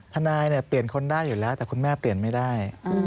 ทนายเปลี่ยนคนได้อยู่แล้วแต่คุณแม่เปลี่ยนไม่ได้